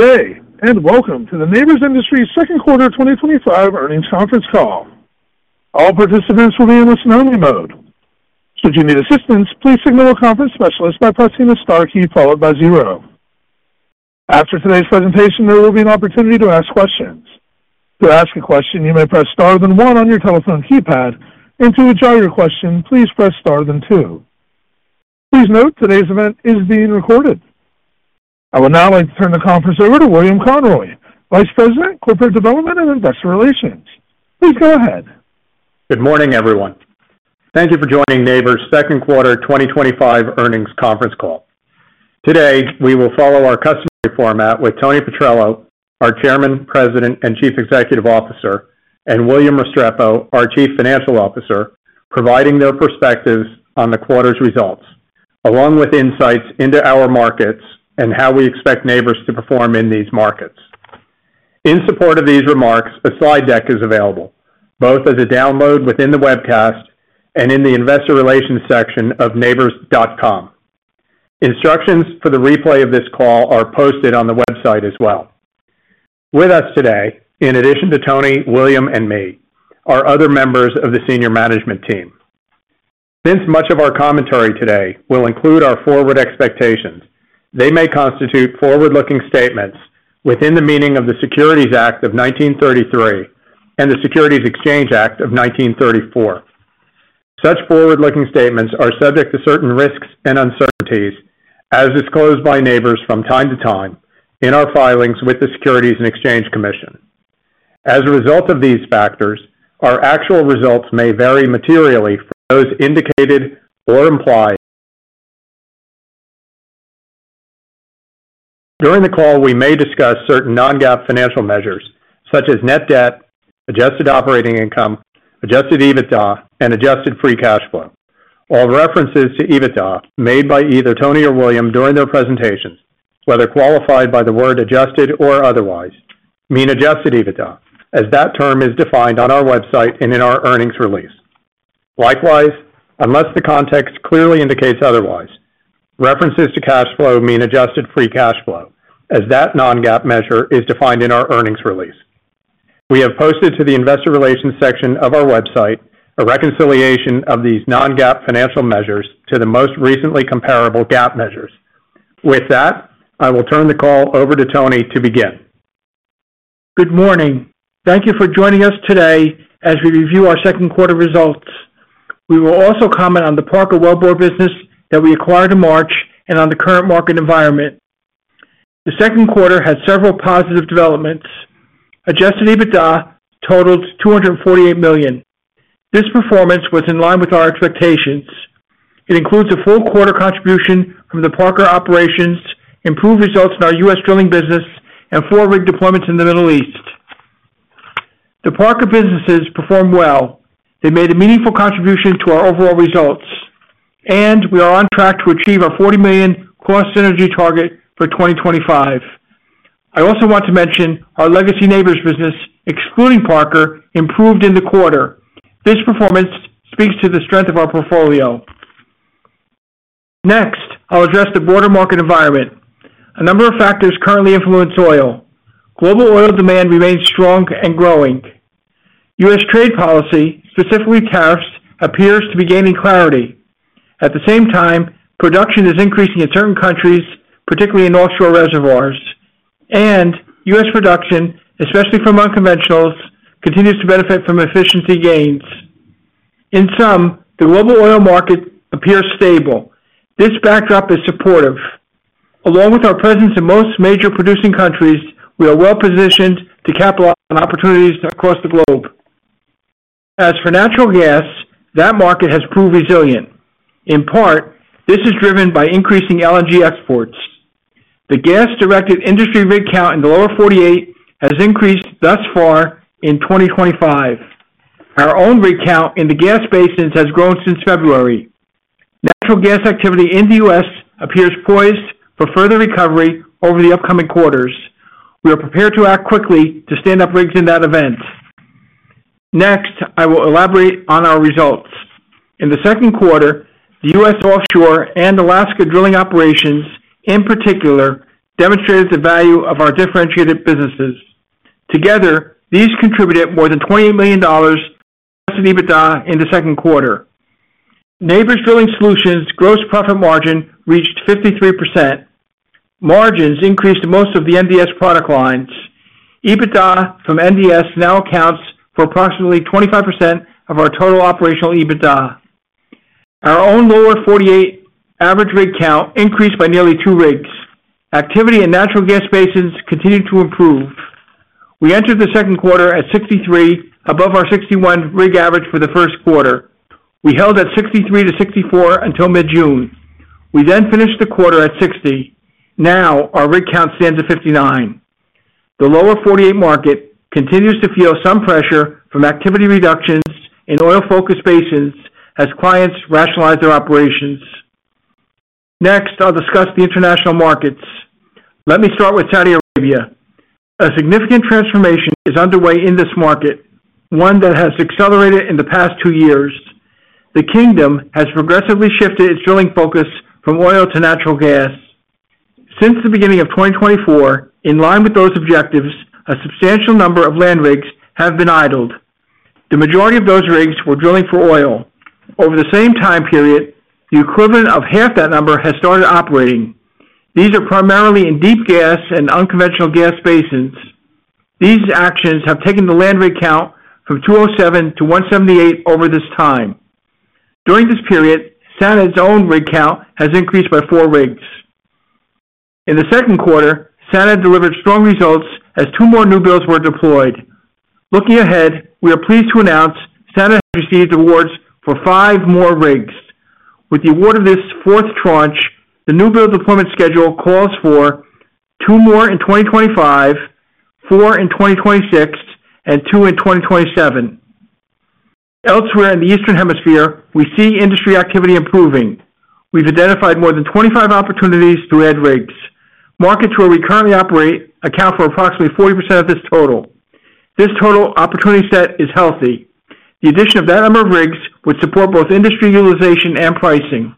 Good day and welcome to the Nabors Industries second quarter 2025 earnings conference call. All participants will be in listen-only mode. Should you need assistance, please signal a conference specialist by pressing the star key followed by zero. After today's presentation, there will be an opportunity to ask questions. To ask a question, you may press star then one on your telephone keypad, and to withdraw your question, please press star then two. Please note today's event is being recorded. I would now like to turn the floor over. Conference over to William Conroy, Vice President, Corporate Development and Investor Relations. Please go ahead. Good morning everyone. Thank you for joining Nabors' second quarter 2025 earnings conference call. Today we will follow our customary format with Tony Petrello, our Chairman, President and Chief Executive Officer, and William Restrepo, our Chief Financial Officer, providing their perspectives on the quarter's results along with insights into our markets and how we expect Nabors to perform in these markets. In support of these remarks, a slide deck is available both as a download within the webcast and in the Investor Relations section of nabors.com. Instructions for the replay of this call are posted on the website as well. With us today, in addition to Tony, William and me, are other members of the Senior Management team. Since much of our commentary today will include our forward expectations, they may constitute forward-looking statements within the meaning of the Securities Act of 1933 and the Securities Exchange Act of 1934. Such forward-looking statements are subject to certain risks and uncertainties as disclosed by Nabors from time to time in our filings with the Securities and Exchange Commission. As a result of these factors, our actual results may vary materially from those indicated or implied. During the call we may discuss certain non-GAAP financial measures such as net debt, Adjusted operating income, Adjusted EBITDA and Adjusted free cash flow. All references to EBITDA made by either Tony or William during their presentations, whether qualified by the word adjusted or otherwise, mean Adjusted EBITDA as that term is defined on our website and in our earnings release. Likewise, unless the context clearly indicates otherwise, references to cash flow mean Adjusted free cash flow as that non-GAAP measure is defined in our earnings release. We have posted to the Investor Relations section of our website a reconciliation of these non-GAAP financial measures to the most recently comparable GAAP measures. With that, I will turn the call over to Tony to begin. Good morning. Thank you for joining us today as we review our second quarter results. We will also comment on the Parker Wellbore business that we acquired in March and on the current market environment. The second quarter had several positive developments. Adjusted EBITDA totaled $248 million. This performance was in line with our expectations. It includes a full quarter contribution from the Parker operations, improved results in our U.S. drilling business, and four rig deployments. In the Middle East. The Parker businesses performed well. They made a meaningful contribution to our overall results, and we are on track to achieve a $40 million cost synergy target for 2025. I also want to mention our legacy Nabors business, excluding Parker, improved in the quarter. This performance speaks to the strength of our portfolio. Next, I'll address the broader market environment. A number of factors currently influence oil. Global oil demand remains strong and growing. U.S. trade policy, specifically tariffs, appears to be gaining clarity. At the same time, production is increasing in certain countries, particularly in offshore reservoirs. U.S. production, especially from unconventionals, continues to benefit from efficiency gains. In sum, the global oil market appears stable. This backdrop is supportive. Along with our presence in most major producing countries, we are well positioned to capitalize on opportunities across the globe. As for natural gas, that market has proved resilient. In part, this is driven by increasing LNG exports. The gas-directed industry rig count in the lower 48 has increased thus far in 2025. Our own rig count in the gas basins has grown since February. Natural gas activity in the U.S. appears poised for further recovery over the upcoming quarters. We are prepared to act quickly to stand up rigs in that event. Next, I will elaborate on our results in the second quarter. The U.S. offshore and Alaska drilling operations in particular demonstrated the value of our differentiated businesses. Together, these contributed more than $20 million in EBITDA. In the second quarter, Nabors Drilling Solutions gross profit margin reached 53%. Margins increased in most of the NDS product lines. EBITDA from NDS now accounts for approximately 25% of our total operational EBITDA. Our own lower 48 average rig count increased by nearly two rigs. Activity in natural gas basins continued to improve. We entered the second quarter at 63 above our 61 rig average. For the first quarter, we held at 63 to 64 until mid-June. We then finished the quarter at 60. Now our rig count stands at 59. The lower 48 market continues to feel some pressure from activity reductions in oil-focused basins as clients rationalize their operations. Next, I'll discuss the international markets. Let me start with Saudi Arabia. A significant transformation is underway in this market, one that has accelerated in the past two years. The Kingdom has progressively shifted its drilling focus from oil to natural gas since the beginning of 2024. In line with those objectives, a substantial number of land rigs have been idled. The majority of those rigs were drilling for oil. Over the same time period, the equivalent of half that number has started operating. These are primarily in deep gas and unconventional gas basins. These actions have taken the land rig count from 207 to 178 over this time. During this period, SANAD's own rig count has increased by four rigs. In the second quarter, SANAD delivered strong results as two more newbuild rigs were deployed. Looking ahead, we are pleased to announce SANAD received awards for five more rigs. With the award of this fourth tranche, the newbuild deployment schedule calls for two more in 2025, four in 2026, and two in 2027. Elsewhere in the Eastern Hemisphere, we see industry activity improving. We've identified more than 25 opportunities to add rigs. Markets where we currently operate account for approximately 40% of this total. This total opportunity set is healthy. The addition of that number of rigs would support both industry utilization and pricing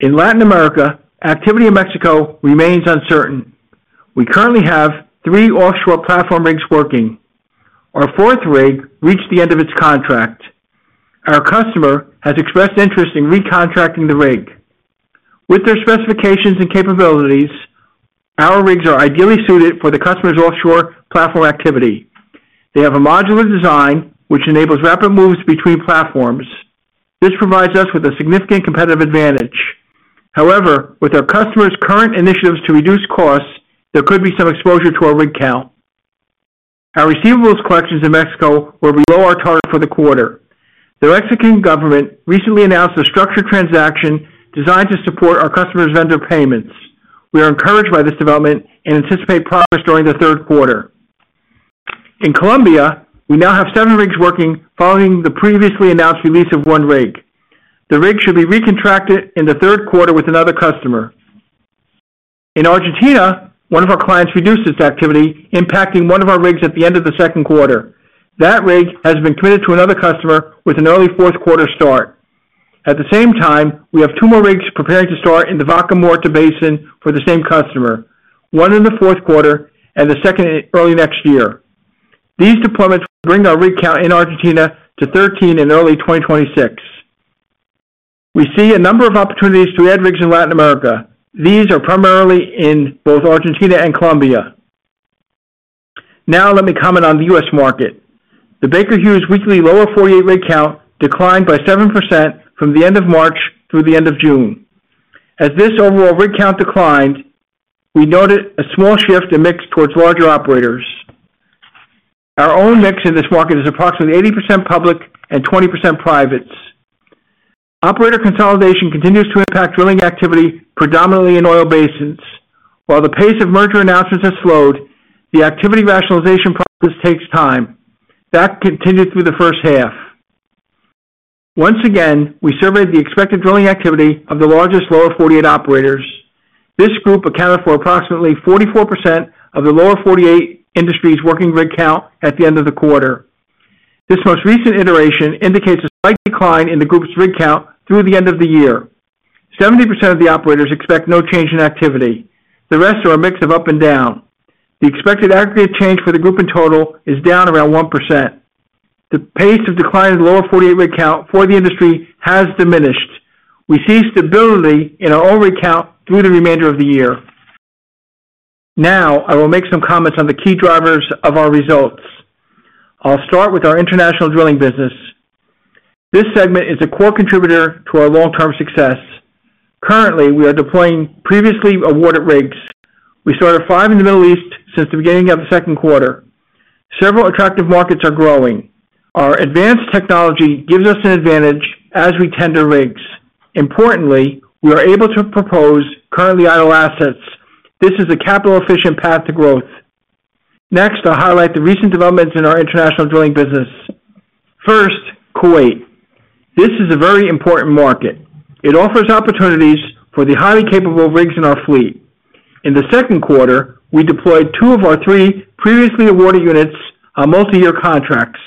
in Latin America. Activity in Mexico remains uncertain. We currently have three offshore platform rigs working. Our fourth rig reached the end of its contract. Our customer has expressed interest in recontracting the rig. With their specifications and capabilities, our rigs are ideally suited for the customer's offshore platform activity. They have a modular design, which enables rapid moves between platforms. This provides us with a significant competitive advantage. However, with our customer's current initiatives to reduce costs, there could be some exposure to a rig count. Our receivables collections in Mexico were below our target for the quarter. The Mexican government recently announced a structured transaction designed to support our customers' vendor payments. We are encouraged by this development and anticipate progress during the third quarter. In Colombia, we now have seven rigs working. Following the previously announced release of one rig, the rig should be recontracted in the third quarter with another customer. In Argentina, one of our clients reduced its activity, impacting one of our rigs. At the end of the second quarter, that rig has been committed to another customer with an early fourth quarter start. At the same time, we have two more rigs preparing to start in the Vaca Muerta BUasin for the same customer, one in the fourth quarter and the second early next year. These deployments bring our rig count in Argentina to 13 in early 2026. We see a number of opportunities to add rigs in Latin America. These are primarily in both Argentina and Colombia. Now let me comment on the U.S. market. The Baker Hughes weekly lower 48 rig count declined by 7% from the end of March through the end of June. As this overall rig count declined, we noted a small shift in mix towards larger operators. Our own mix in this market is approximately 80% public and 20% privates. Operator consolidation continues to impact drilling activity, predominantly in oil basins. While the pace of merger announcements has slowed, the activity rationalization process takes time that continued through the first half. Once again, we surveyed the expected drilling activity of the largest lower 48 operators. This group accounted for approximately 44% of the lower 48 industry's working rig count at the end of the quarter. This most recent iteration indicates a slight decline in the group's rig count through the end of the year. 70% of the operators expect no change in activity. The rest are a mix of up and down. The expected aggregate change for the group in total is down around 1%. The pace of decline in the lower 48 rig count for the industry has diminished. We see stability in our own rig count through the remainder of the year. Now I will make some comments on the key drivers of our results. I'll start with our international drilling business. This segment is a core contributor to our long-term success. Currently, we are deploying previously awarded rigs. We started five in the Middle East since the beginning of the second quarter. Several attractive markets are growing. Our advanced technology gives us an advantage as we tender rigs. Importantly, we are able to propose currently idle assets. This is a capital efficient path to growth. Next, I'll highlight the recent developments in our international drilling business. First, Kuwait. This is a very important market. It offers opportunities for the highly capable rigs in our fleet. In the second quarter, we deployed two of our three previously awarded units on multi-year contracts.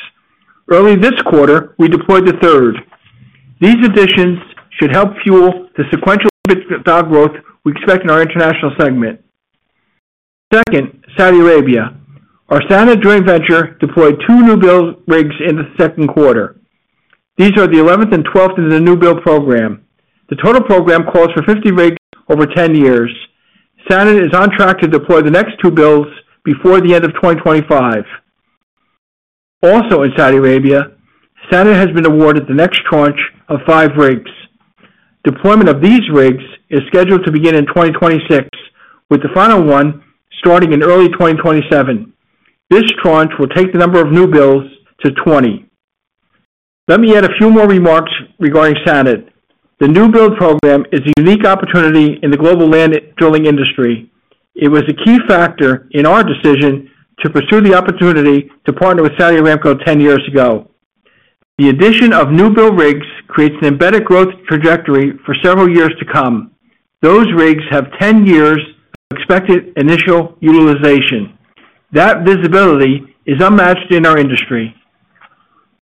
Early this quarter, we deployed the third. These additions should help fuel the sequential growth we expect in our international segment. Second, Saudi Arabia, our SANAD joint venture, deployed two newbuild rigs in the second quarter. These are the 11th and 12th in the newbuild program. The total program calls for 50 rigs over 10 years. SANAD is on track to deploy the next two builds before the end of 2025. Also in Saudi Arabia, SANAD has been awarded the next tranche of five rigs. Deployment of these rigs is scheduled to begin in 2026 with the final one starting in early 2027. This tranche will take the number of newbuilds to 20. Let me add a few more remarks regarding SANAD. The newbuild program is a unique opportunity in the global land drilling industry. It was a key factor in our decision to pursue the opportunity to partner with Saudi Aramco ten years ago. The addition of newbuild rigs creates an embedded growth trajectory for several years to come. Those rigs have 10 years expected initial utilization. That visibility is unmatched in our industry.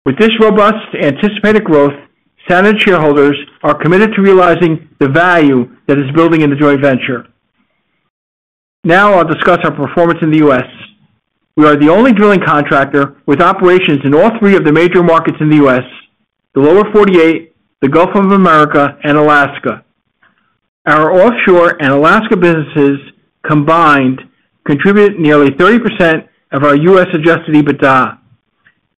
With this robust anticipated growth, SANAD shareholders are committed to realizing the value that is building in the joint venture. Now I'll discuss our performance in the U.S. We are the only drilling contractor with operations in all three of the major markets in the U.S.: the lower 48, the Gulf of Mexico, and Alaska. Our offshore and Alaska businesses combined contribute nearly 30% of our U.S. Adjusted EBITDA.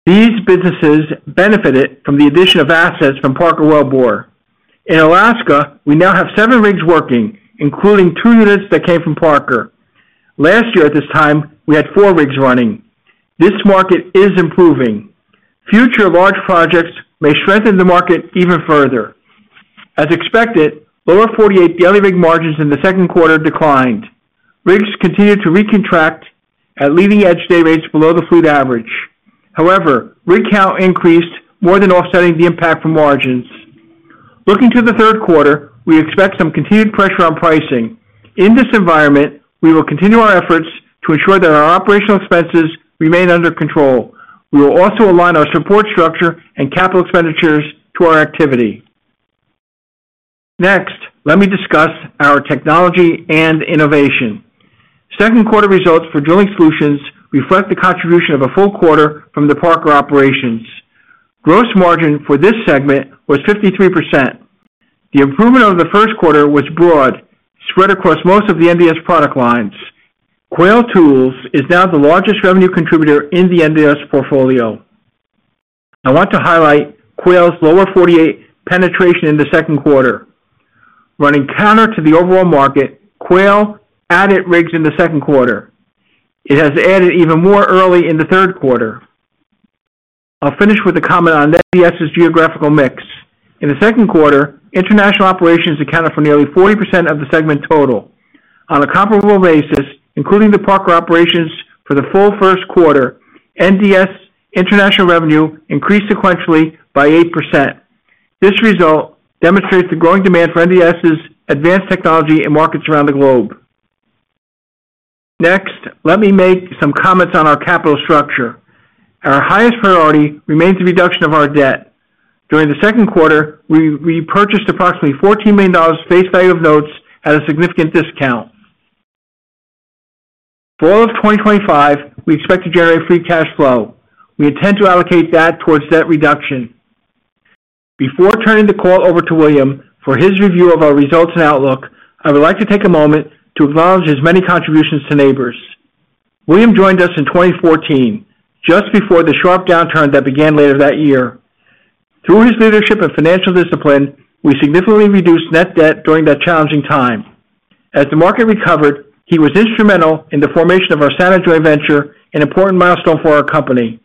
These businesses benefited from the addition of assets from Parker Wellbore in Alaska. We now have seven rigs working, including two units that came from Parker. Last year at this time we had four rigs running. This market is improving. Future large projects may strengthen the market even further. As expected, lower 48 daily rig margins in the second quarter declined. Rigs continued to recontract at leading edge day rates below the fleet average. However, rig count increased, more than offsetting the impact from margins. Looking to the third quarter, we expect some continued pressure on pricing. In this environment, we will continue our efforts to ensure that our operational expenses remain under control. We will also align our support structure and capital expenditures to our activity. Next, let me discuss our technology and innovation. Second quarter results for drilling solutions reflect the contribution of a full quarter from the Parker operations. Gross margin for this segment was 53%. The improvement over the first quarter was broad, spread across most of the NDS product lines. Quail Tools is now the largest revenue contributor in the NDS portfolio. I want to highlight Quail's lower 48 penetration in the second quarter. Running counter to the overall market, Quail added rigs in the second quarter. It has added even more early in the third quarter. I'll finish with a comment on NDS's geographical mix. In the second quarter, international operations accounted for nearly 40% of the segment total. On a comparable basis including the Parker operations. For the full first quarter, NDS international revenue increased sequentially by 8%. This result demonstrates the growing demand for NDS's advanced technology in markets around the globe. Next, let me make some comments on our capital structure. Our highest priority remains the reduction of our debt. During the second quarter, we purchased approximately $14 million face value of notes at a significant discount fall of 2025. We expect to generate free cash flow. We intend to allocate that towards debt reduction. Before turning the call over to William for his review of our results and outlook, I would like to take a moment to acknowledge his many contributions to Nabors. William joined us in 2014, just before the sharp downturn that began later that year. Through his leadership and financial discipline, we significantly reduced net debt during that challenging time. As the market recovered, he was instrumental in the formation of our SANAD venture, an important milestone for our company.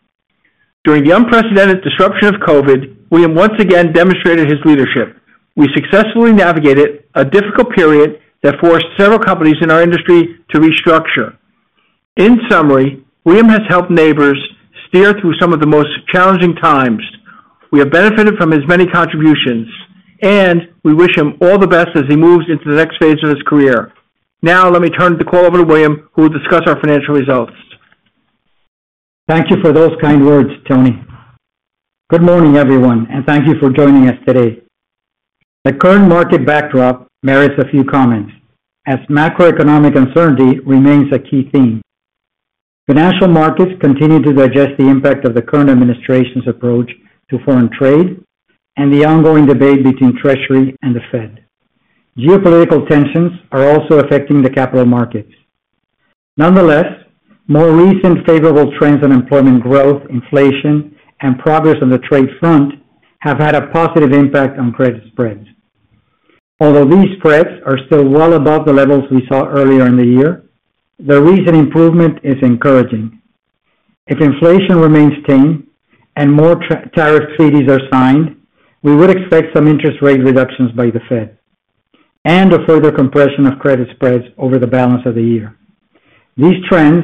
During the unprecedented disruption of COVID-19, William once again demonstrated his leadership. We successfully navigated a difficult period that forced several companies in our industry to restructure. In summary, William has helped Nabors steer through some of the most challenging times. We have benefited from his many contributions and we wish him all the best as he moves into the next phase of his career. Now let me turn the call over to William who will discuss our financial results. Thank you for those kind words, Tony. Good morning everyone, and thank you for joining us today. The current market backdrop merits a few comments as macroeconomic uncertainty remains a key theme. The national markets continue to digest the. Impact of the current administration's approach to. Foreign trade and the ongoing debate between. Treasury and the Fed. Geopolitical tensions are also affecting the capital market. Nonetheless, more recent favorable trends on employment growth, inflation, and progress on the trade front have had a positive impact on credit spreads. Although these spreads are still well above the levels we saw earlier in the year, the recent improvement is encouraging. If inflation remains tame and more tariff treaties are signed, we would expect some. Interest rate reductions by the Fed. A further compression of credit spreads over. The balance of the year. These trends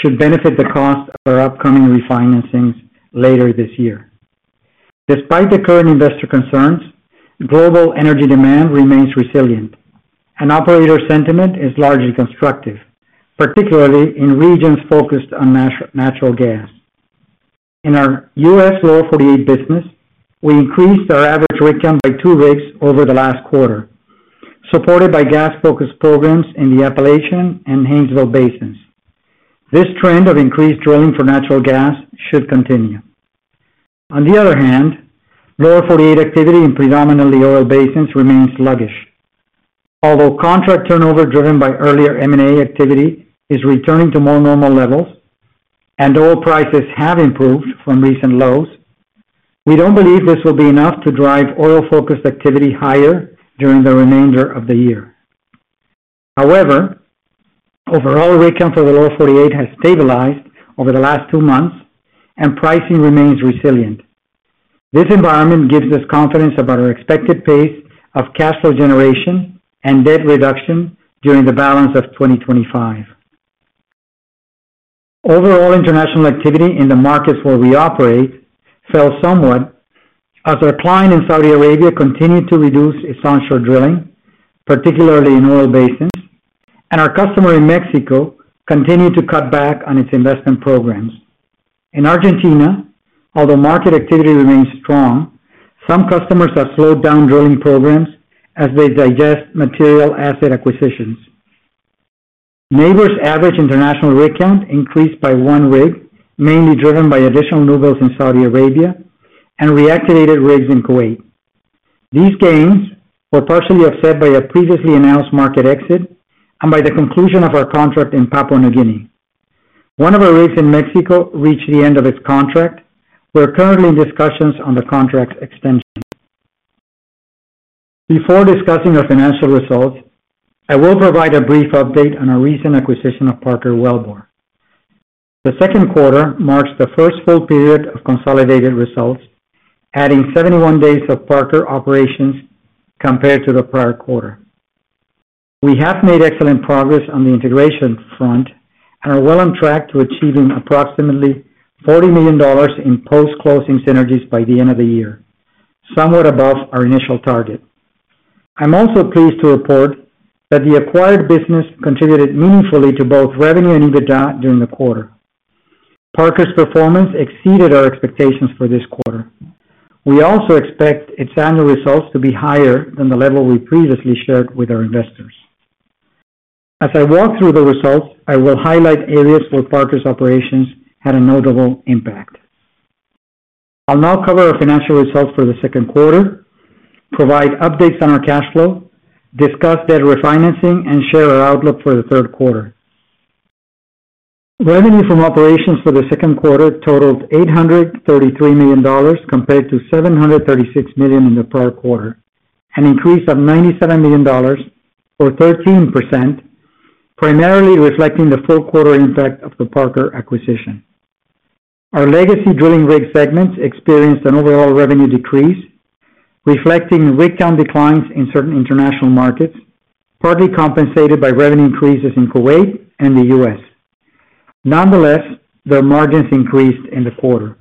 should benefit the cost of. Our upcoming refinancings later this year. Despite the current investor concerns, global energy demand remains resilient and operator sentiment is largely constructive, particularly in regions focused on natural gas. In our U.S. lower 48 business, we increased our average rig count by two rigs over the last quarter. Supported by gas-focused programs in the Appalachian and Haynesville basins, this trend of increased drilling for natural gas should continue. On the other hand, lower 48 activity in predominantly oil basins remains sluggish, although confluent turnover driven by earlier M&A activity is returning to more normal levels and oil prices have improved from recent lows. We don't believe this will be enough to drive oil-focused activity higher during. The remainder of the year. However, overall rig count for the lower 48 has stabilized over the last two months, and pricing remains resilient. This environment gives us confidence about our expected pace of cash flow generation and debt reduction during the balance of 2025. Overall international activity in the markets where we operate fell somewhat, as the decline in Saudi Arabia continued to reduce its onshore drilling, particularly in oil basins, and our customer in Mexico continued to cut back on its investment programs in Argentina. Although market activity remains strong, some customers that slowed down drilling programs as they digest material asset acquisitions. Nabors average international RIG count increased by one RIG, mainly driven by additional newbuilds in Saudi. Arabia and reactivated RIGs in Kuwait. These gains were partially offset by a previously announced market exit and by the conclusion of our contract in Papua New Guinea. One of our rigs in Mexico reached the end of its contract. We're currently in discussions on the contract extensively. Before discussing our financial results, I will provide a brief update on our recent. Acquisition of Parker Wellbore. The second quarter marks the first full period of consolidated results, adding 71 days. Of Parker Wellbore operations compared to the prior quarter. We have made excellent progress on the. Integration front and are well on track. To achieving approximately $40 million in post-closing synergies by the end of the. Year, somewhat above our initial target. I'm also pleased to report that the acquired business contributed meaningfully to both revenue and EBITDA. EBITDA during the quarter. Wellbore's performance exceeded our expectations for this quarter. We also expect its annual results to be higher than the level we previously anticipated. Shared with our investors. As I walk through the results part, I will highlight areas where Parker Wellbore's operations. Had a notable impact. I'll now cover our financial results for the second quarter, provide updates on our cash flow, discuss debt refinancing, and share our outlook for the third quarter. Revenue from operations for the second quarter totaled $833 million compared to $736 million. In the prior quarter, an increase of. $97 million or 13%, primarily reflecting the full quarter impact of the Parker acquisition. Our legacy drilling rig segments experienced an overall revenue decrease reflecting RIG count declines in certain international markets, partly compensated by revenue increases in Kuwait and the U.S. Nonetheless, their margins increased in the quarter.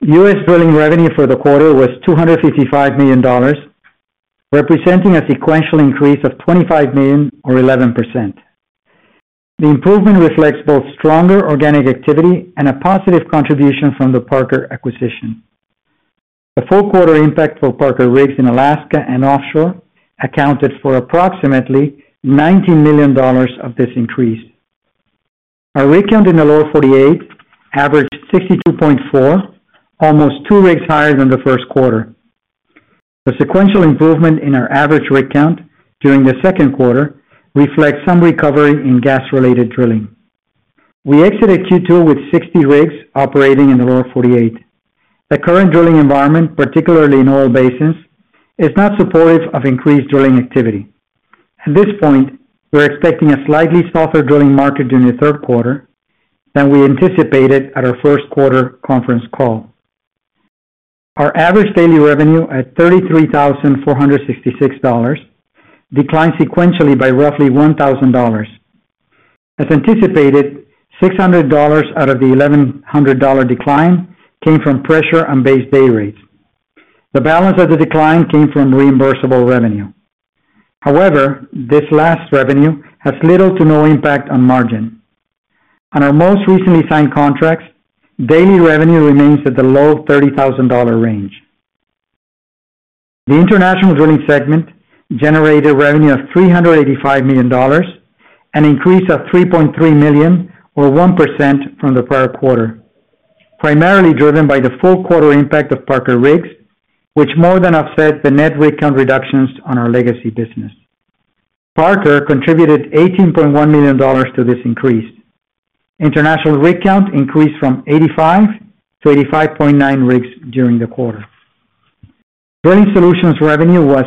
U.S. drilling revenue for the quarter was $255 million, representing a sequential increase of $25 million or 11%. The improvement reflects both stronger organic activity and a positive contribution from the Parker acquisition. The fourth quarter impact for Parker rigs in Alaska and offshore accounted for approximately $19 million of this increase. Our rig count in the lower 48 averaged 62.4, almost two rigs higher than the first quarter. The sequential improvement in our average rig count during the second quarter reflects some recovery in gas related drilling. We exited Q2 with 60 rigs operating in the lower 48. The current drilling environment, particularly in oil basins, is not supportive of increased drilling. Activity at this point. We're expecting a slightly softer drilling market during the third quarter than we anticipated at our first quarter conference call. Our average daily revenue at $33,466 declined sequentially by roughly $1,000 as anticipated. $600 out of the $1,100 decline came from pressure on base day rates. The balance of the decline came from reimbursable revenue. However, this last revenue had little to no impact on margin on our most recently signed contracts. Daily revenue remains at the low $30,000 range. The International Drilling segment generated revenue of $385 million, an increase of $3.3 million or 1% from the prior quarter, primarily driven by the full quarter impact of Parker Wellbore which more than offset the net rig count reductions on our legacy business. Parker contributed $18.1 million to this increase. International rig count increased from 85 to 85.9 rigs during the quarter. Drilling Solutions revenue was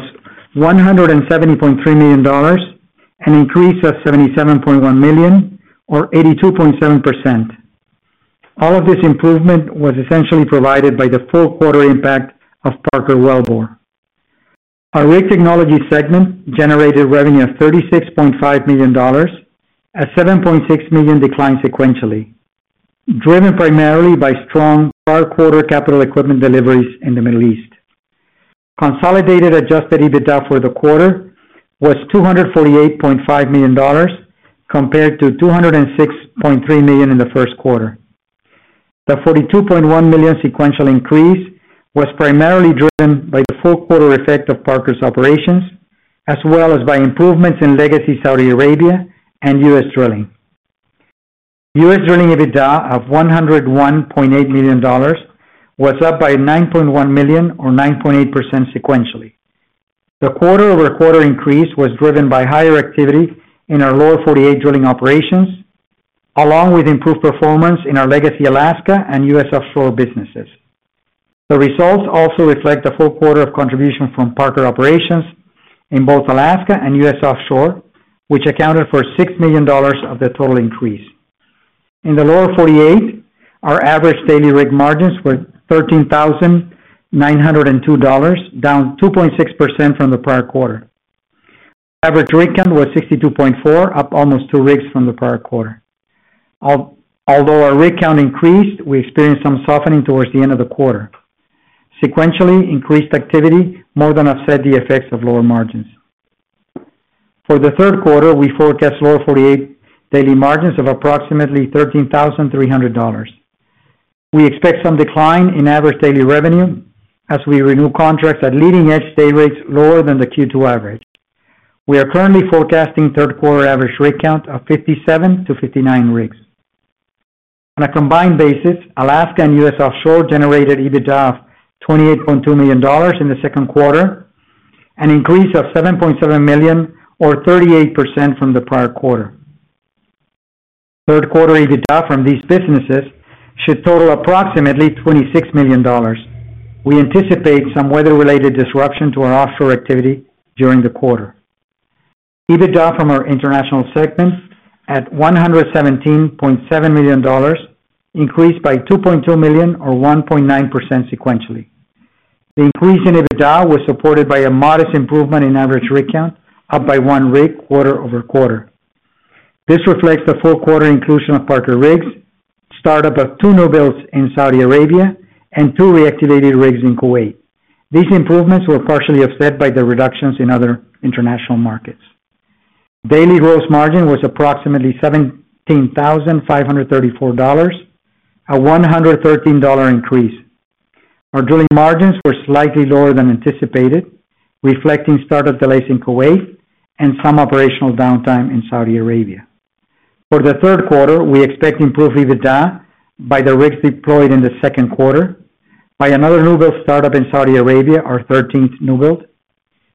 $77.3 million, an increase of $35 million or 82.7%. All of this improvement was essentially provided by the full quarter impact of Parker Wellbore. Our Rig Technologies segment generated revenue of $36.5 million, a $7.6 million decline sequentially, driven primarily by strong prior quarter capital equipment deliveries in the Middle East. Consolidated Adjusted EBITDA for the quarter was $248.5 million compared to $206.3 million in the first quarter. The $42.1 million sequential increase was primarily driven by the full quarter effect of Parker's operations as well as by improvements in legacy Saudi Arabia and U.S. drilling. U.S. drilling EBITDA of $101.8 million was up by $9.1 million or 9.8% sequentially. The quarter over quarter increase was driven by higher activity in our lower 48 drilling operations along with improved performance in our legacy Alaska and U.S. offshore businesses. The results also reflect the full quarter of contribution from Parker operations in both Alaska and U.S. offshore which accounted for $6 million of the total increase. In the lower 48, our average standing rig margins were $13,902, down 2.6% from the prior quarter. Average rig count was 62.4, up almost. rigs from the prior quarter. Although our rig count increased, we experienced some softening towards the end of the quarter. Sequentially increased activity more than offset the. Effects of lower margins. For the third quarter, we forecast lower 48 daily margins of approximately $13,300. We expect some decline in average daily revenue as we renew contracts at leading edge day rates lower than the Q2 average. We are currently forecasting third quarter average rig count of 57-59 rigs on a combined basis. Alaska and U.S. offshore generated EBITDA of $28.2 million in the second quarter, an increase of $7.7 million or 38% from the prior quarter. Third quarter EBITDA from these businesses should total approximately $26 million. We anticipate some weather-related disruption to our offshore activity during the quarter. EBITDA from our international segment at $117.7 million increased by $2.2 million or 1.9% sequentially. The increase in EBITDA was supported by a modest improvement in average rig count, up by one rig quarter-over-quarter. This reflects the fourth quarter inclusion of Parker Wellbore rigs, startup of two newbuild rigs in Saudi Arabia, and two reactivated rigs in Kuwait. These improvements were partially offset by the. Reductions in other international markets. Daily gross margin was approximately $17,534, a $113 increase. Our drilling margins were slightly lower than anticipated, reflecting startup delays in Kuwait. Some operational downtime in Saudi Arabia. For the third quarter, we expect improved EBITDA by the rigs deployed in the second quarter, by another newbuild startup in Saudi Arabia, our 13th newbuild,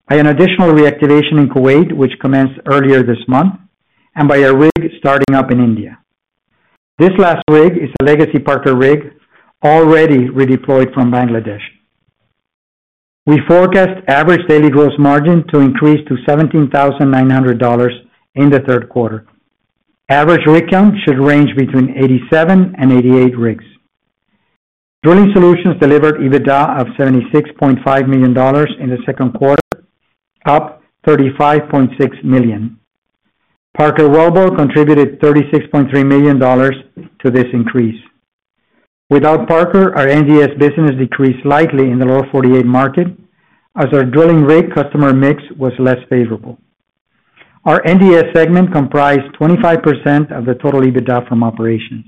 by an additional reactivation in Kuwait which commenced earlier this month, and by a rig starting up in India. This last rig is a legacy Parker Wellbore rig already redeployed from Bangladesh. We forecast average daily gross margin to increase to $17,900 in the third quarter. Average rig count should range between 87 and 88 rigs. Drilling Solutions delivered EBITDA of $76.5 million in the second quarter, up $35.6 million. Parker Wellbore contributed $36.3 million to this increase. Without Parker, our Nabors Drilling Solutions business decreased slightly in the lower 48 market as our drilling rig customer mix was less favorable. Our NDS segment comprised 25% of the. Total EBITDA from operations.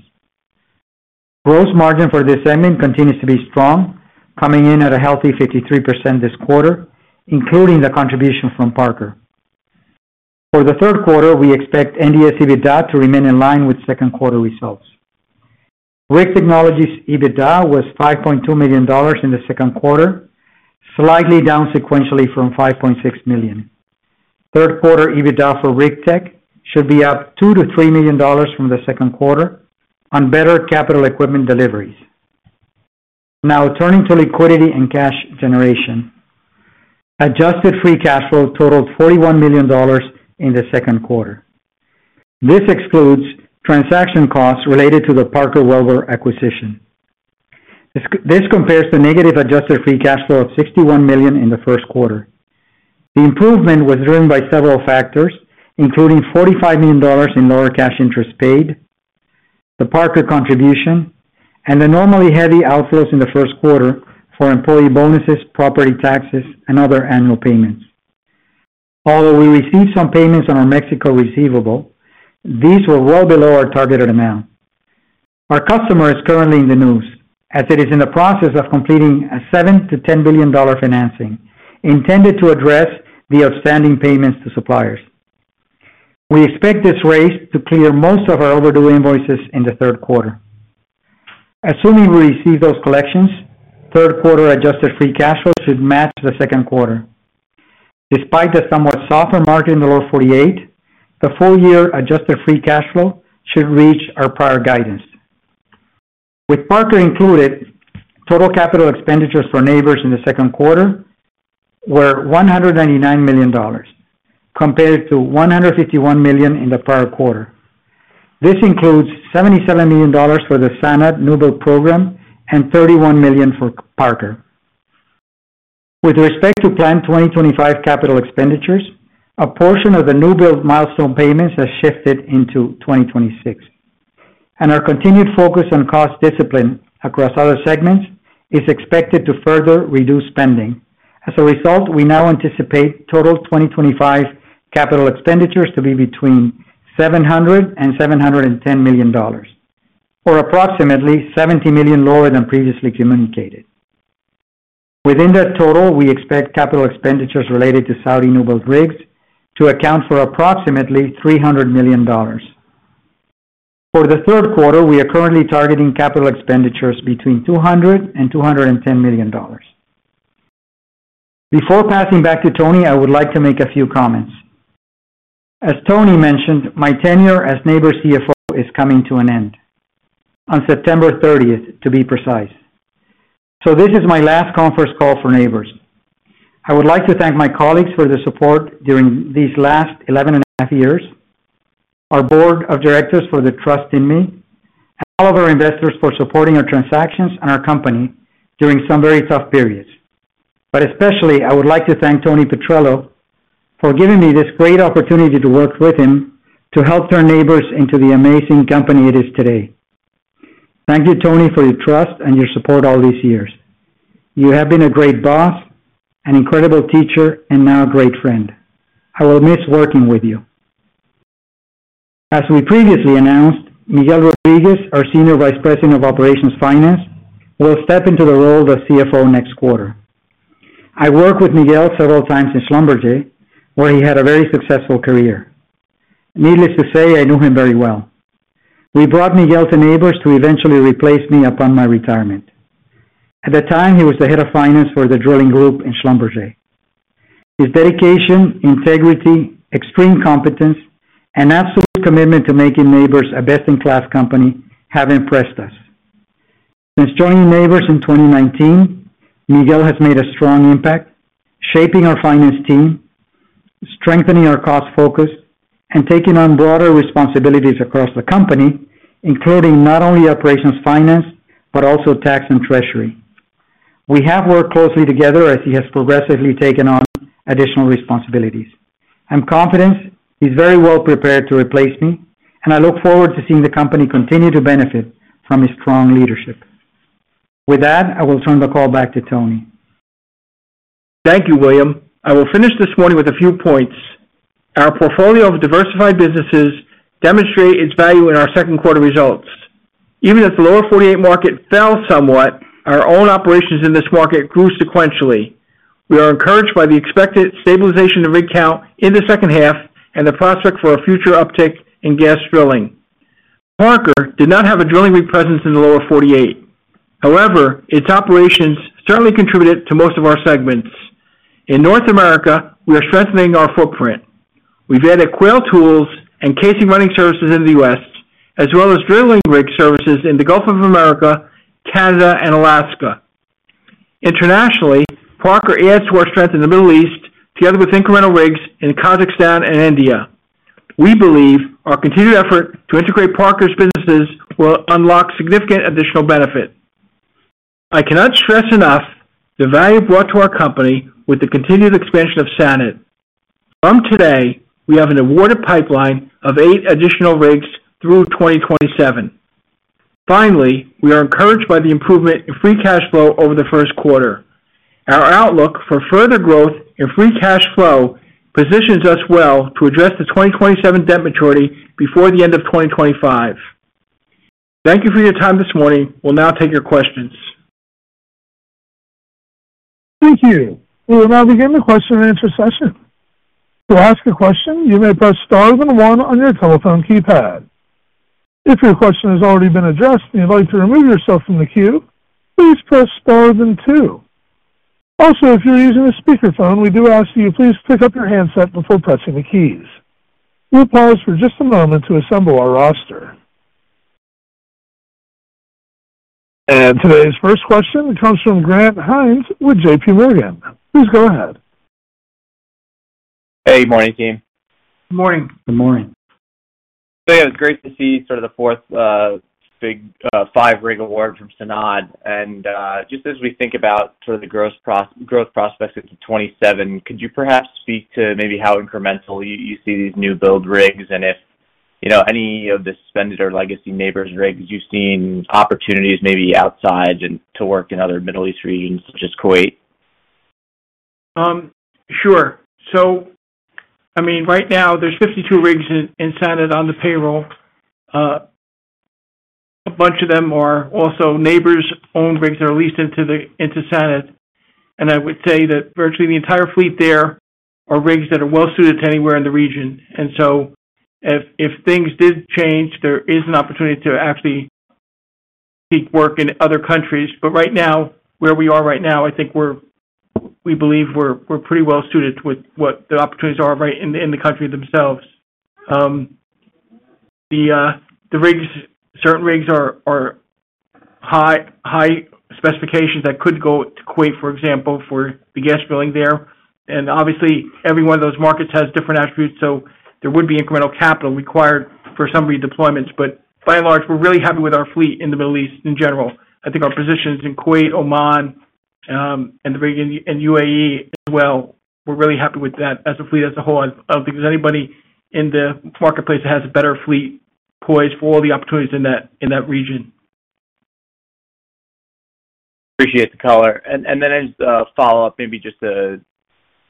Gross margin for this segment continues to be strong, coming in at a healthy 53% this quarter, including the contribution from Parker for the third quarter. We expect NDS EBITDA to remain in line with second quarter results. Rig Technologies EBITDA was $5.2 million in the second quarter, slightly down sequentially from $5.6 million. Third quarter EBITDA for Rig Technologies should be up $2million-$3 million from the second quarter on better capital equipment deliveries. Now turning to liquidity and cash generation, Adjusted free cash flow totaled $41 million. In the second quarter. This excludes transaction costs related to the Parker Wellbore acquisition. This compares to the negative Adjusted free cash flow of $61 million in the first quarter. The improvement was driven by several factors including $45 million in lower cash interest paid, the Parker contribution, and the normally heavy outflows in the first quarter for employee bonuses, property taxes, and other annual payments. Although we received some payments on our Mexico receivable, these were well below our targeted amount. Our customer is currently in the news as it is in the process of completing a $7 billion-$10 billion financing intended to address the outstanding payments to suppliers. We expect this raise to clear most of our overdue invoices in the third quarter, assuming we receive those collections. Third quarter Adjusted free cash flow should match the second quarter despite the somewhat softer margin in the lower 48, the full year. Adjusted free cash flow should reach our. Prior guidance with partner included. Total capital expenditures for Nabors in the second quarter were $199 million compared to $151 million. In the prior quarter. This includes $77 million for the SANAD newbuild program and $31 million for Parker. With respect to planned 2025 capital expenditures, a portion of the newbuild milestone payments has shifted into 2026, and our continued focus on cost discipline across other segments is expected to further reduce spending. As a result, we now anticipate total 2025 capital expenditures to be between $700 and $710 million, or approximately $70 million lower than previously communicated. Within that total, we expect capital expenditures related to Saudi newbuild rigs to account for approximately $300 million for the third quarter. We are currently targeting capital expenditures between. $200 million and $210 million. Before passing back to Tony, I would like to make a few comments. As Tony mentioned, my tenure as Nabors. CFO is coming to an end. September 30th to be precise. This is my last conference call for Nabors. I would like to thank my colleagues for their support during these last 11 and a half years, our Board of Directors for the trust in me, all of our investors for supporting our transactions and our company during some very tough periods. I would especially like to thank Tony Petrello for giving me this great opportunity to work with him to help turn Nabors into the amazing company it is today. Thank you, Tony, for your trust and your support all these years. You have been a great boss, an incredible teacher, and now a great friend. I will miss working with you. As we previously announced, Miguel Rodriguez, our Senior Vice President of Operations Finance, will step into the role of the CFO next quarter. I worked with Miguel several times in Schlumberger where he had a very successful career. Needless to say I knew him very well. He brought Miguel to Nabors to eventually replace me upon my retirement. At the time, he was the head of finance for the drilling group in Schlumberger. His dedication, integrity, extreme competence and absolute commitment to making Nabors a best in class company have impressed us. Since joining Nabors in 2019, Miguel has made a strong impact shaping our finance team, strengthening our cost focus and taking on broader responsibilities across the company, including not only operations finance, but also Tax and Treasury. We have worked closely together as he has progressively taken on additional responsibilities. I'm confident he's very well prepared to replace me and I look forward to seeing the company continue to benefit from its strong leadership. With that, I will turn the call back to Tony. Thank you, William. I will finish this morning with a few points. Our portfolio of diversified businesses demonstrates its. Value in our second quarter results. Even if the lower 48 market fell somewhat, our own operations in this market grew sequentially. We are encouraged by the expected stabilization of rig count in the second half and the prospect for a future uptick in gas drilling. Parker Wellbore did not have a drilling rig presence in the lower 48. However, its operations certainly contributed to most of our segments in North America. We are strengthening our footprint. We've added Quail Tools and casing running services in the U.S. as well as drilling rig services in the Gulf of Mexico, Canada, and Alaska. Internationally, Parker Wellbore adds to our strength in the Middle East together with incremental rigs in Kazakhstan and India. We believe our continued effort to integrate Parker Wellbore's businesses will unlock significant additional benefit. I cannot stress enough the value brought to our company with the continued expansion of SANAD. From today, we have an awarded pipeline of eight additional rigs through 2027. Finally, we are encouraged by the improvement in free cash flow over the first quarter. Our outlook for further growth and free cash flow positions us well to address the 2027 debt maturity before the end of 2025. Thank you for your time this morning. We'll now take your questions. Thank you. We will now begin the question and answer session. To ask a question, you may press star then one on your telephone keypad. If your question has already been addressed and you'd like to remove yourself from the queue, please press star then two. Also, if you're using a speakerphone, we do ask you please pick up your handset before pressing the keys. We'll pause for just a moment to assemble our roster. Today's first question comes from Grant Hynes with J.P. Morgan. Please go ahead. Hey, morning team. Good morning. Good morning. So yeah. Great to see sort of the fourth big five rig award from SANAD. As we think about the gross profit growth prospects at the 27, could you perhaps speak to maybe how incremental you see these newbuild rigs and if you know any of the suspended or legacy Nabors rigs, you've seen opportunities maybe outside to work in other Middle East regions, just Kuwait. Sure. Right now there's 52 rigs in SANAD on the payroll. A bunch of them are also Nabors-owned rigs that are leased into SANAD. I would say that virtually the entire fleet there are rigs that are well suited to anywhere in the region. If things did change, there is an opportunity to actually seek work in other countries. Right now, I think we're pretty well suited with what the opportunities are in the country themselves. The rigs, certain rigs are high specifications that could go to Kuwait, for example, for the gas drilling there. Obviously, every one of those markets has different attributes. There would be incremental capital required for some redeployments. By and large, we're really happy with our fleet in the Middle East in general. I think our position is in Kuwait, Oman, and the region and UAE as well. We're really happy with that as a fleet as a whole. I don't think there's anybody in the marketplace that has a better fleet poised for the opportunities in that region. Appreciate the color and then follow up. Maybe just a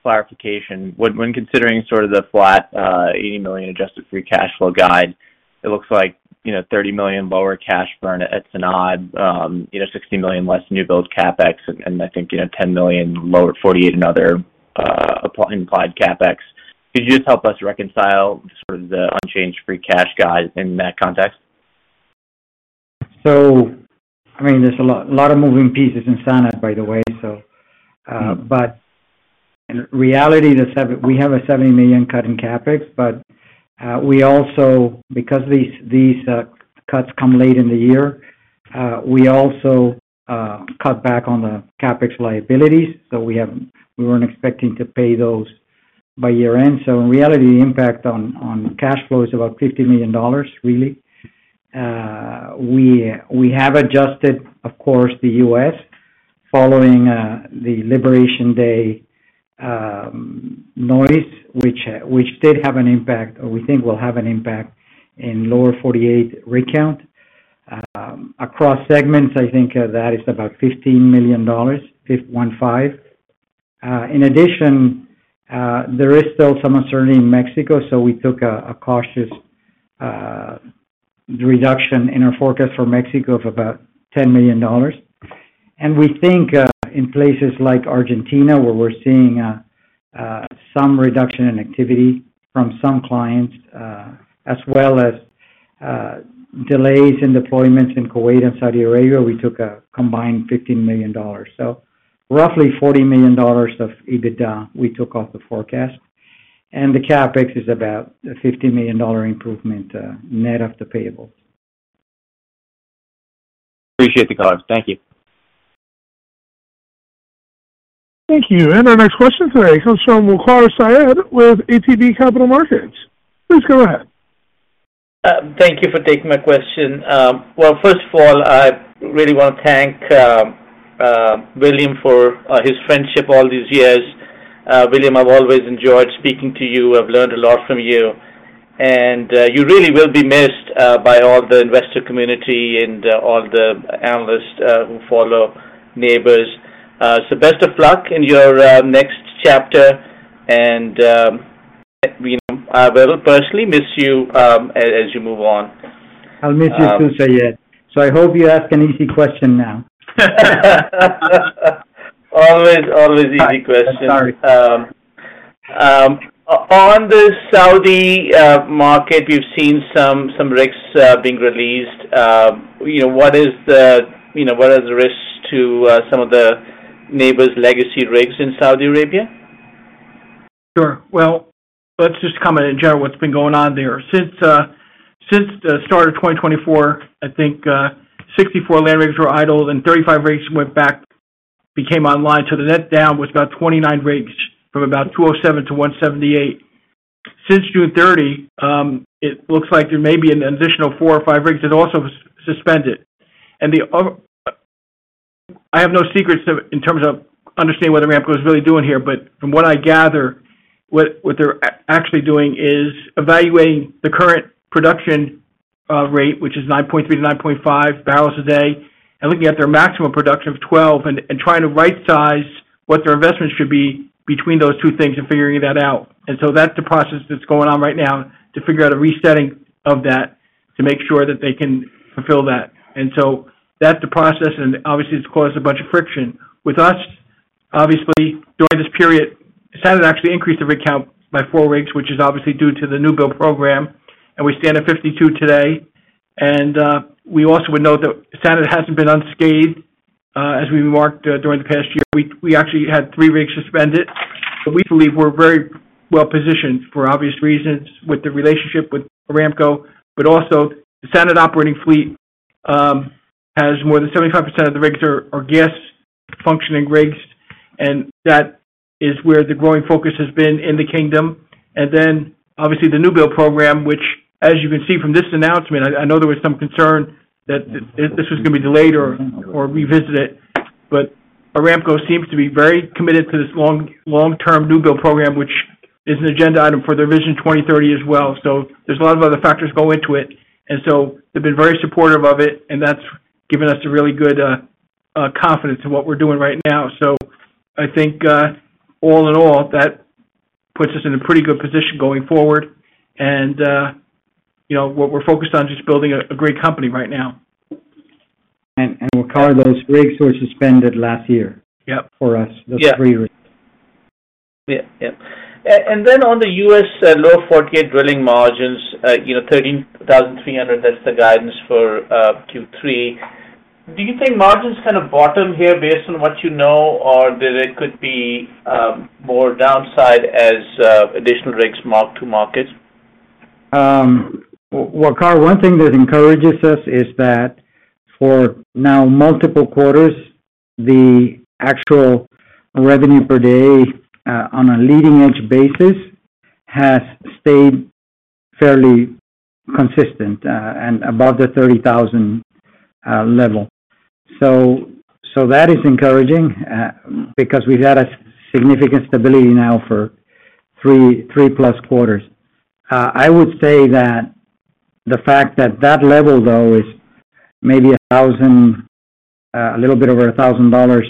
clarification when considering sort of the flat $80 million Adjusted free cash flow guide, it looks like $30 million lower cash burn at SANAD, $60 million less newbuild CapEx, and I think $10 million lower 48 and other implied CapEx. Could you just help us reconcile the unchanged free cash guide in that context? There are a lot of moving pieces in SANAD, by the way. In reality, we have a $70 million cut in CapEx. Because these cuts come late in the year, we also cut back on the CapEx liabilities, though we weren't expecting to pay those by year end. In reality, the impact on cash. Flow is about $50 million. Really. We have adjusted, of course, the U.S. following the Liberation Day noise, which did have an impact or we think will have an impact in lower 48 rig count across segments. I think that is about $15 million, 6.5. In addition, there is still some uncertainty in Mexico, so we took a cautious reduction in our forecast for Mexico of about $10 million. We think in places like Argentina, where we're seeing some reduction in activity from some clients as well as delays in deployments in Kuwait and Saudi Arabia, we took a combined $15 million. Roughly $40 million of Adjusted EBITDA we took off the forecast, and the CapEx is about a $50 million improvement net of the payable. Appreciate the call. Thank you. Thank you. Our next question today comes from Waqar Syed with ATB Capital Markets. Please go ahead. Thank you for taking my question. First of all, I really want to thank William for his friendship all these years. William, I've always enjoyed speaking to you. I've learned a lot from you, and you really will be missed by all the investor community and all the analysts who follow Nabors. Best of luck in your next chapter, and I will personally miss you. As you move on. I'll miss you soon. Yes. I hope you ask an easy question now. Always, always easy question. On the Saudi market, we've seen some rigs being released. What is the, you know, what are the risks to some of the Nabors legacy rigs in Saudi Arabia? Sure. Let's just comment in general. What's been going on there since the start of 2024, I think 64 land rigs were idled and 35 rigs went back, became online. The net down was about 29 rigs from about 207 to 178 since June 30th. It looks like there may be an. Additional four or five rigs, it also suspended. I have no secrets in terms of understanding what Saudi Aramco is really doing here. From what I gather, what they're actually doing is evaluating the current production rate, which is 9.3-9.5 million barrels a day, and looking at their maximum production of 12 million, and trying. To right-size what their investment should. Be between those two things and figuring that out. That deposit that's going on right now to figure out a resetting of that to make sure that they can fulfill that. That's the process. Obviously, it's caused a bunch of friction with us. Obviously, during this period SANAD actually increased the rig count by four rigs, which is obviously due to the newbuild program. We stand at 52 today. We also would note that SANAD hasn't been unscathed as we marked during the past year. We actually had three rigs suspended. We believe we're very well positioned for obvious reasons with the relationship with Saudi Aramco. Also, the standard operating fleet has more than 75% of the rigs as gas functioning rigs, and that is where the growing focus has been in the Kingdom. And then obviously, the newbuild program, which as you can see from this announcement, I know there was some concern that this was going to be delayed or revisited, but Saudi Aramco seems to be very committed to this long, long-term newbuild program, which is an agenda item for their Vision 2030 as well. There are a lot of other factors. They've been very supportive of it, and that's given us a really good confidence in what we're doing right now. I think all in all, that puts us in a pretty good position going forward. You know what, we're focused on just building a great company right now. We'll cover those rigs who are. Suspended last year for us. Yeah, yep. On the U.S. lower 48 drilling margins, you know, $13,300. That's the guidance for Q3. Do you think margins kind of bottom here based on what you know, or that it could be more downside as additional rigs are marked to market? Waqar, one thing that encourages us is that for now multiple quarters, the actual revenue per day on a leading edge. Basis has stayed fairly consistent and above the $30,000 level. That is encouraging because we've had significant stability now for three, three plus quarters. I would say that the fact that that level though is maybe $1,000. A little bit over $1,000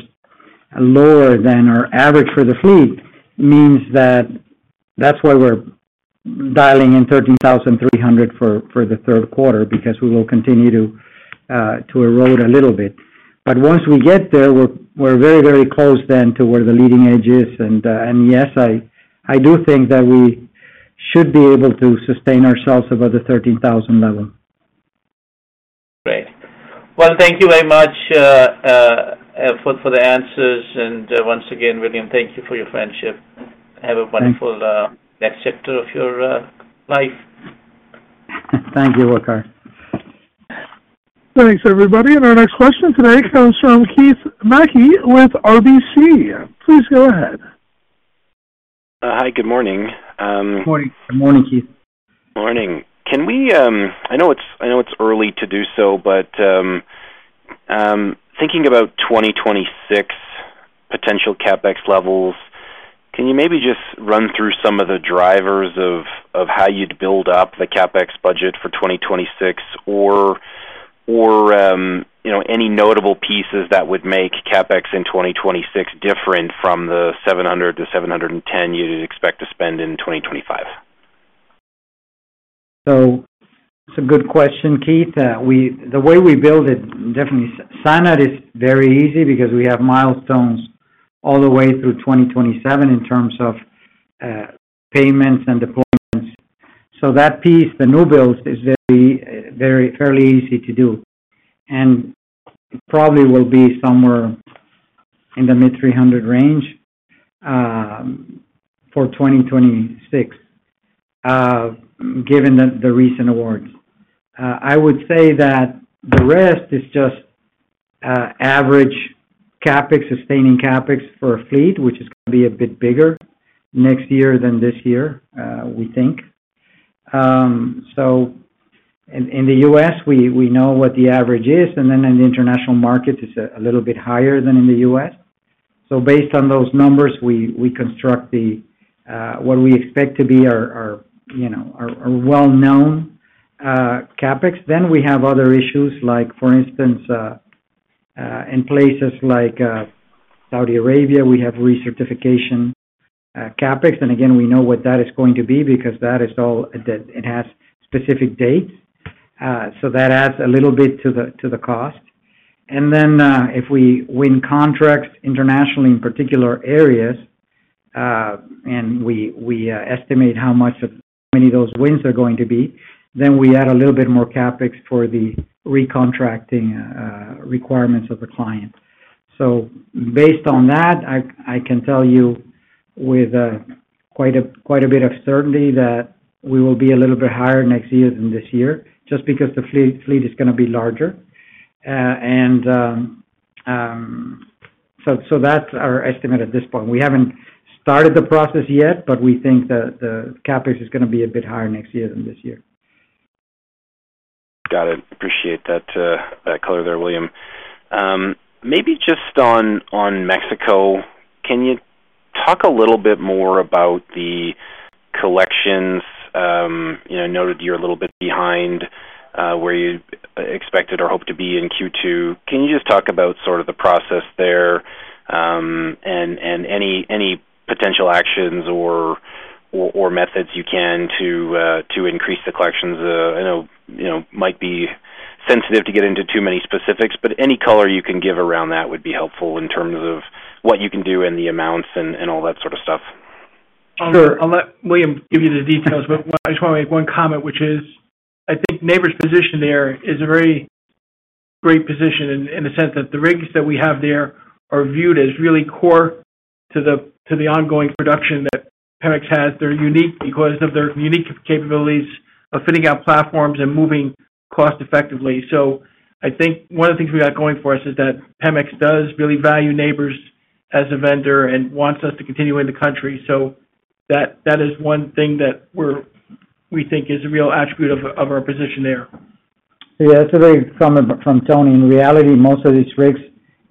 lower than. Our average for the food means that. That's why we're dialing in $13,300 for the third quarter because we will continue to erode a little bit. Once we get there, we're very, very close to where the leading edge is. Yes, I do think that we should be able to sustain ourselves above the $13,000 level. Great. Thank you very much for the answers, and once again, William, thank you for your friendship. Have a wonderful next chapter of your life. Thank you, Waqar. Thanks, everybody. Our next question today comes from Keith MacKey with RBC. Please go ahead. Hi, good morning. Good morning, Keith. Morning. Can we, I know it's early to do so. Thinking. About 2026 potential CapEx levels, can you maybe just run through some of the drivers of how you'd build up the CapEx budget for 2026, or any notable pieces that would make CapEx in 2026 different from the $700 to $710 you'd expect to spend in 2025. That's a good question, Keith. The way we build it, definitely SANAD is very easy because we have milestones all the way through 2027 in terms of payments and deployments. That piece, the newbuild rigs is. Very fairly easy to do and probably will be somewhere in the mid $300 million range for 2026. Given the recent awards, I would say that the rest is just average CapEx, sustaining CapEx for a fleet which is going to be a bit bigger next year than this year, we think. So. In the U.S. we know what the average is, and then in the international market it's a little bit higher than in the U.S. Based on those numbers, we construct what we expect to be our well-known CapEx. We have other issues, like for instance in places like Saudi Arabia, we have recertification CapEx. We know what that is going to be because that is all, it has specific dates. That adds a little bit to the cost. If we win contracts internationally in particular areas and we estimate how many of those wins are going to be, we add a little bit more CapEx for the recontracting requirements of the client. Based on that, I can tell you with quite a bit of certainty that we will be a little bit higher next year than this year just because the fleet is going to be larger. That's our estimate at this point. We haven't started the process yet, but we think that the CapEx is going to be a bit higher next year than this year. Got it. Appreciate that color there. William, maybe just on Mexico, can you talk a little bit more about the collections? I noted you're a little bit behind where you expected or hoped to be in Q2. Can you just talk about sort of the process there and any potential actions or methods you can to increase the collections? I know you know, might be sensitive to get into too many specifics, but any color you can give around that would be helpful in terms of what you can do in the amounts and all that sort of stuff. I'll let William give you the details, but I just want to make one comment, which is I think Nabors' position there is a very great position in the sense that the rigs that we have there are viewed as really core to the ongoing production that PEMEX has. They're unique because of their unique capabilities of fitting out platforms and moving cost effectively. I think one of the things we got going for us is that PEMEX does really value Nabors as a vendor and wants us to continue in the country. That is one thing that we think is a real attribute of our position there. Yeah, that's a very thumb from Tony Petrello. In reality, most of these rigs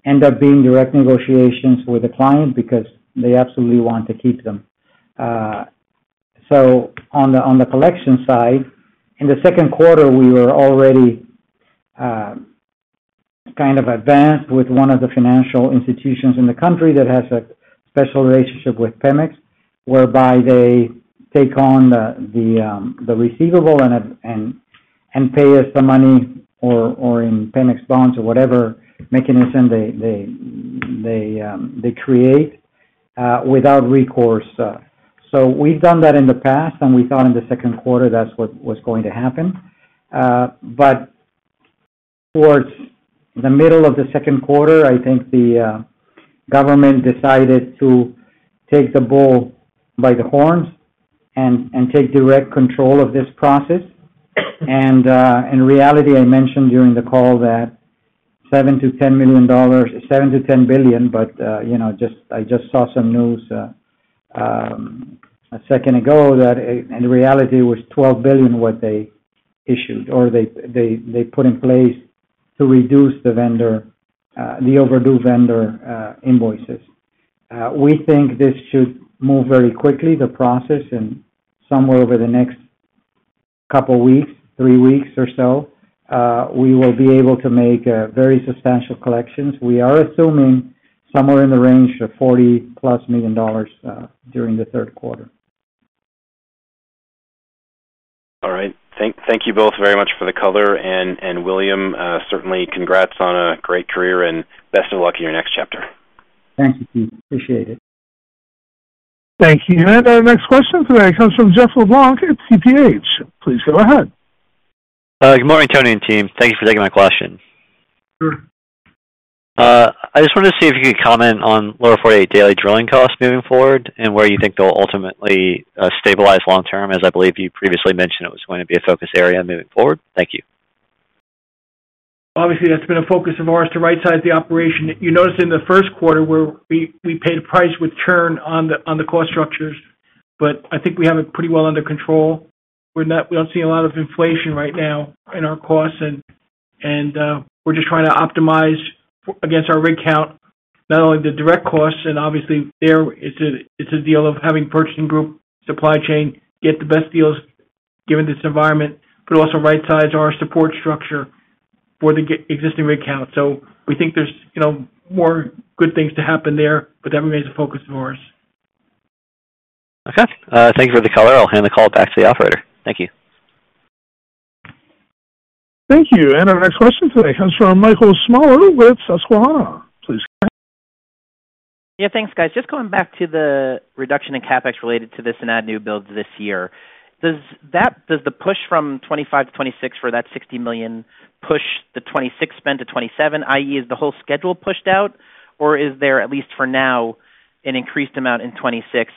end up being direct negotiations with the client because they absolutely want to keep them. On the collection side, in the. Second quarter, we were already. Kind of advanced with one of the financial institutions in the country that has a special relationship with PEMEX whereby they take on the receivable and pay us the money or in PEMEX bonds or whatever mechanism they create without recourse. We've done that in the past and we thought in the second quarter that's what was going to happen. Towards the middle of the second quarter, I think the government decided to take the bull by the horns and take direct control of this process. In reality, I mentioned during the call that $7million-$10 million, $7 billion-$10 billion. I just saw some news a second ago that in reality it was $12 billion that they issued or they put in place to reduce the overdue vendor invoices. We think this should move the process very quickly and somewhere over the next couple weeks, three weeks or so, we will be able to make very substantial collections. We are assuming somewhere in the range of $40 plus million during the third quarter. All right, thank you both very much for the color, and William, certainly congrats on a great career and best of luck in your next chapter. Thank you, Keith. Appreciate it. Thank you. Our next question today comes from Jeff LeBlanc at CIBC. Please go ahead. Good morning, Tony and team. Thank you for taking my question. I just wanted to see if you. Could comment on lower 48 daily drilling costs moving forward and where you think they'll ultimately stabilize long term. As I believe you previously mentioned, it was going to be a focus area moving forward. Thank you. Obviously that's been a focus of ours to right size the operation. You notice in the first quarter where we paid a price with churn on the cost structures. I think we have it pretty well under control. We're not, we don't see a lot of inflation right now in our costs and we're just trying to optimize against our rig count, not only the direct costs and obviously there it's a deal of having purchasing group supply chain get the best deals given its environment, but also right size our support structure for the existing rig count. We think there's more good things to happen there. That remains a focus of ours. Okay, thank you for the color. I'll hand the call back to the operator. Thank you. Thank you. Our next question today comes from Michael Smaller with Susquehanna, please. Yeah, thanks guys. Just going back to the reduction in CapEx related to this and add newbuild rigs this year. Does the push from 2025 to 2026 for that $60 million push the 2026 spend to 2027? Is the whole schedule pushed out, or is there at least for now an increased amount in 2026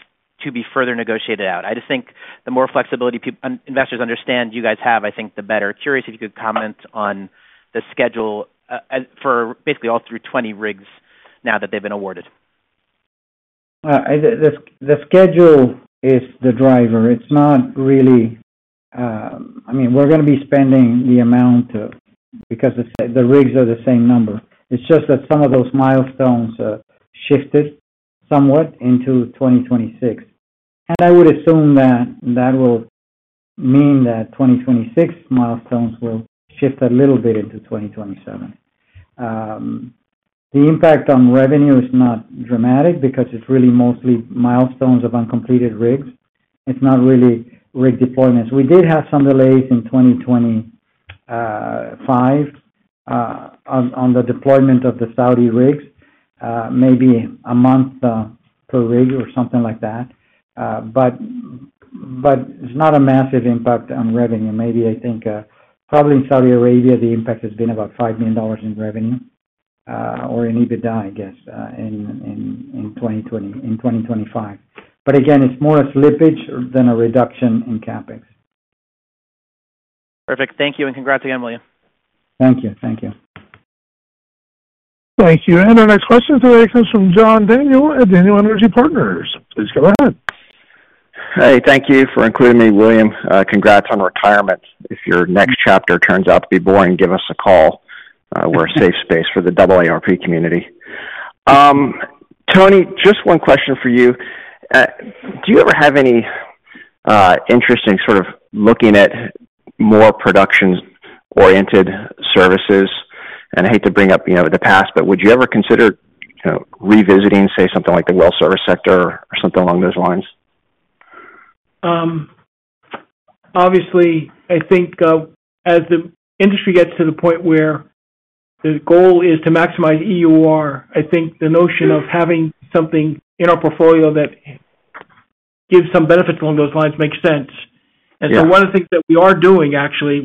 to be further negotiated out? I just think the more flexibility investors understand you guys have, I think the better. Curious if you could comment on the schedule for basically all 320 rigs now that they've been awarded? The schedule is the driver. It's not really, I mean we're going to be spending the amount because the rigs are the same number. It's just that some of those milestones. Shifted somewhat into 2026. I would assume that that will mean that 2026 milestones will shift a little bit into 2027. The impact on revenue is not dramatic because it's really mostly milestones of uncompleted rigs. It's not really rig deployments. We did have some delays in 2025 on the deployment of the Saudi rigs, maybe a month per rig or something like that. It's not a massive impact on revenue. I think probably in Saudi Arabia the impact has been about $5 million in revenue or in EBITDA, I guess, in 2025. But again it's more a slippage than. A reduction in CapEx. Perfect. Thank you, and congrats, family. Thank you. Thank you. Thank you. Our next question today comes from John Daniel at Daniel Energy Partners. Please go ahead. Thank you for including me, William. Congrats on retirement. If your next chapter turns out to be boring, give us a call. We're a safe space for the AARP community. Tony, just one question for you. Do you ever have any interesting sort of looking at more production oriented services? I hate to bring up, you. know, the past, but would you ever consider, you know, revisiting say something like the well service sector or something along those lines? Obviously, I think as the industry gets to the point where the goal is to maximize EUR, I think the notion of having something in our portfolio that gives some benefit along those lines makes sense. One of the things that we are doing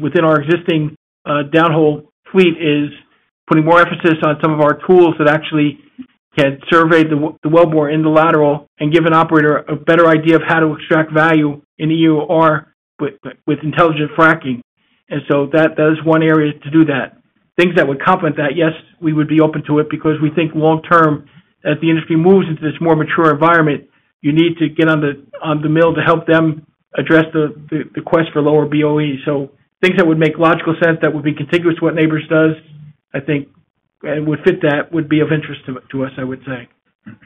within our existing downhole fleet is putting more emphasis on some of our tools that actually can survey the wellbore in the lateral and give an operator a better idea of how to extract value in EOR with intelligent fracking. That is one area to do that. Things that would complement that, yes, we would be open to it because we think long term, as the industry moves into this more mature environment, you need to get on the mill to help them address the quest for lower BOE. Things that would make logical sense, that would be contiguous to what Nabors does, I think it would fit. That would be of interest to us, I would say.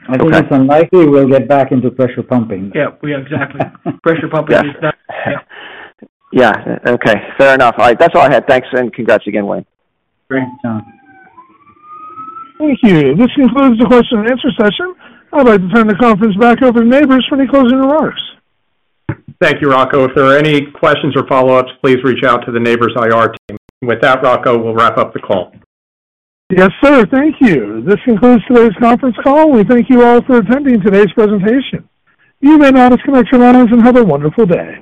I think it's unlikely we'll get back into pressure pumping. Yeah, exactly. Pressure pumping is not. Yeah, okay, fair enough. All right. That's all I had. Thanks and congrats again, very much. Great, John. Thank you. This concludes the question and answer session. I'd like to turn the conference back over to Nabors for any closing remarks. Thank you, Rocco. If there are any questions or follow ups, please reach out to the Nabors IR team. With that, Rocco, we'll wrap up the call. Yes, sir. Thank you. This concludes today's conference call. We thank you all for attending today's presentation. You may now disconnect your lines and have a wonderful day.